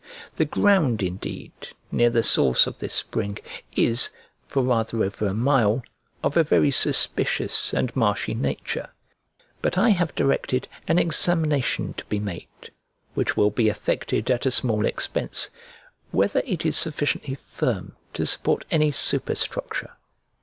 The ground, indeed, near the source of this spring is, for rather over a mile, of a very suspicious and marshy nature; but I have directed an examination to be made (which will be effected at a small expense) whether it is sufficiently firm to support any superstructure.